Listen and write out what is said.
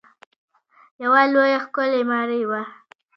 یوه لویه ښکلې ماڼۍ وه.